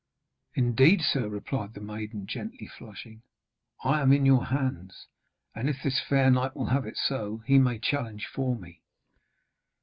'Indeed, sir,' replied the maiden, gently flushing, 'I am in your hands. And if this fair knight will have it so, he may challenge for me.'